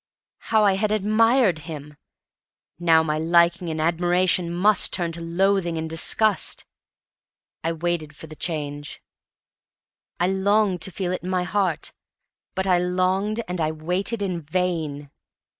How I had admired him! Now my liking and admiration must turn to loathing and disgust. I waited for the change. I longed to feel it in my heart. But I longed and I waited in vain!